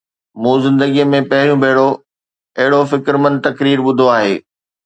مون زندگيءَ ۾ پهريون ڀيرو اهڙو فڪرمند تقرير ٻڌو آهي.